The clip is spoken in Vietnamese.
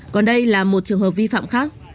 còn đây là một trường hợp vi phạm khác